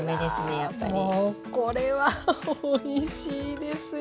あらもうこれはおいしいですよ。